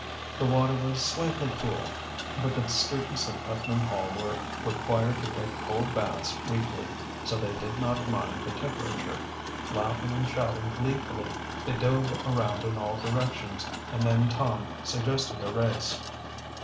The water was slightly cool, but the students at Putnam Hall were required to take cold baths weekly, so they did not mind the temperature. Laughing and shouting gleefully they dove around in all directions, and then Tom suggested a race.